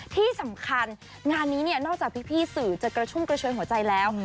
ที่สำคัญงานนี้เนี่ยนอกจากพี่สื่อจะกระชุ่มกระชวยหัวใจแล้ว